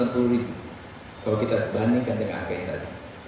kalau kita bandingkan dengan angka yang tadi